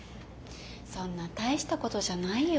そんな大したことじゃないよ。